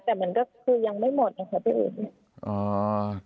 แต่มันก็คือยังไม่หมดค่ะพี่อุ๋ย